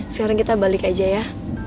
sekarang kita balik aja ya